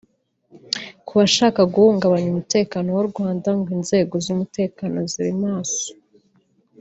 Ku bashaka guhungabanya umutekano w’u Rwanda ngo inzego z’umutekano ziri maso